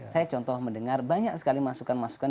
saya contoh mendengar banyak sekali masukan masukan